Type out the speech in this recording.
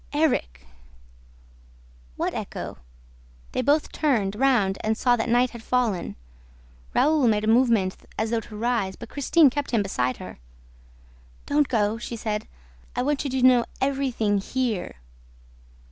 "Erik!" What echo? ... They both turned round and saw that night had fallen. Raoul made a movement as though to rise, but Christine kept him beside her. "Don't go," she said. "I want you to know everything HERE!"